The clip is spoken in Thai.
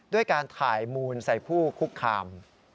ด้วยการถ่ายมูลใส่ผู้คุกคาม